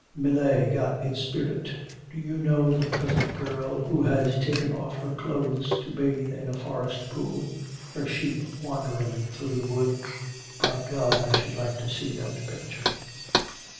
Millet got its spirit. Do you know the peasant girl who has taken off her clothes to bathe in a forest pool, her sheep wandering through the wood? By God! I should like you to see that picture.'